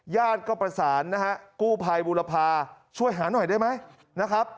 ญาติก็ประสานนะฮะกู้ภัยบุรพาช่วยหาหน่อยได้ไหมนะครับ